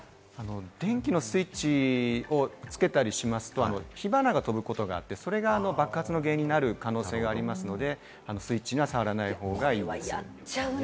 電気のスイッチをつけたりしますと、火花が飛ぶことがあって、それが爆発の原因になる可能性がありますので、スイッチには触らない方がいいです。